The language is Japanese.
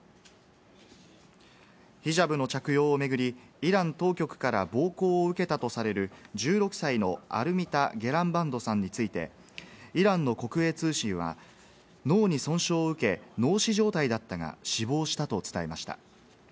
ヒジャブの着用を巡り、イラン当局から暴行を受けたとされる１６歳のアルミタ・ゲラバンドさんについてイランの国営通信は脳に損傷を受け、脳死状態だったが、死亡したと伝えました。